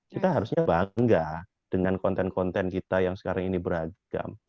kita harusnya bangga dengan konten konten kita yang sekarang ini beragam